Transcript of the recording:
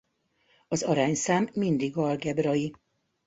Az arányszám mindig algebrai.